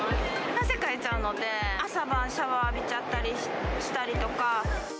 汗かいちゃうので、朝晩シャワー浴びちゃったりしたりとか。